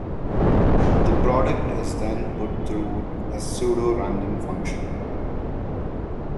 The product is then put through a pseudo random function.